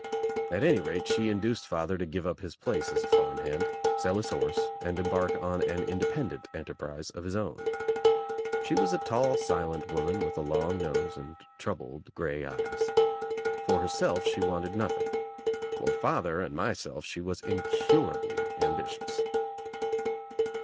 At any rate she induced father to give up his place as a farm hand, sell his horse and embark on an independent enterprise of his own. She was a tall silent woman with a long nose and troubled grey eyes. For herself she wanted nothing. For father and myself she was incurably ambitious.